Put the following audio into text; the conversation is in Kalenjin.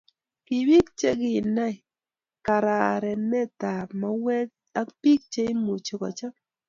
Ki biik cheginai kararenet tab mauek ak biik cheimuchi kocham.